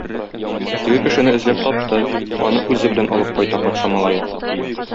Теге кешене эзләп тапты, аны үзе белән алып кайта патша малае.